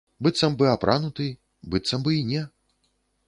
Быццам бы апрануты, быццам бы і не.